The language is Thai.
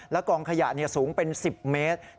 และกล่องขยะสูงเป็น๑๐เมตร